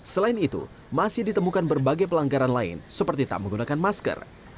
selain itu masih ditemukan berbagai pelanggaran lain seperti tak menggunakan masker